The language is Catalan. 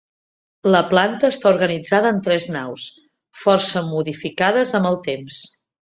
La planta està organitzada en tres naus, força modificades amb el temps.